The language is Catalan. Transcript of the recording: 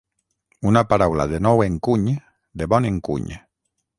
Una paraula de nou encuny, de bon encuny.